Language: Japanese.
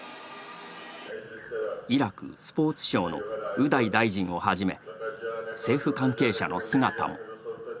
イラク・スポーツ省のウダイ大臣をはじめ政府関係者の姿も。